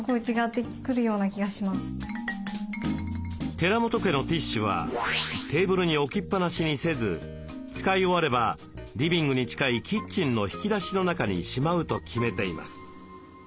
寺本家のティッシュはテーブルに置きっぱなしにせず使い終わればリビングに近いキッチンの引き出しの中にしまうと決めています。